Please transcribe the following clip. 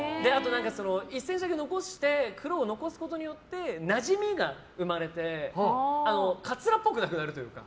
１ｃｍだけ残して黒を残すことによってなじみが生まれてカツラっぽくなくなるというか。